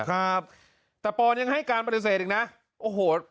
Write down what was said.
ครับแต่ปอนยังให้การปฏิเสธอีกนะโอ้โห